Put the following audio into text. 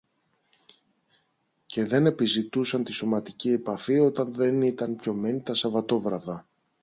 και δεν επιζητούσαν τη σωματική επαφή όταν δεν ήταν πιωμένοι τα Σαββατόβραδα